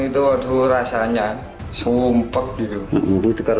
tiga bulan setelah anak mereka dilahirkan